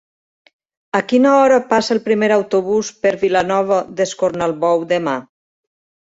A quina hora passa el primer autobús per Vilanova d'Escornalbou demà?